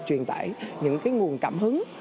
truyền tải những cái nguồn cảm hứng